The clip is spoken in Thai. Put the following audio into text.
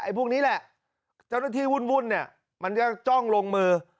พวกนี้แหละเจ้าหน้าที่วุ่นเนี่ยมันจะจ้องลงมือ